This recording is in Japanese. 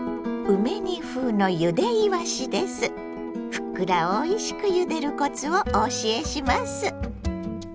ふっくらおいしくゆでるコツをお教えします。